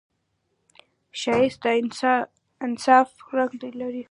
ښایست د انصاف رنګ لري